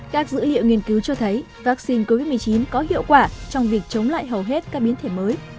các dữ liệu nghiên cứu cho thấy vaccine covid một mươi chín có hiệu quả trong việc chống lại hầu hết các biến thể mới